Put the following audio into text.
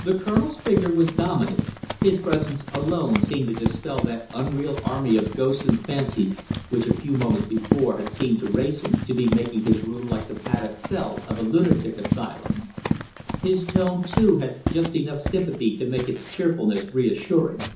The Colonel's figure was dominant; his presence alone seemed to dispel that unreal army of ghosts and fancies which a few moments before had seemed to Wrayson to be making his room like the padded cell of a lunatic asylum. His tone, too, had just enough sympathy to make its cheerfulness reassuring.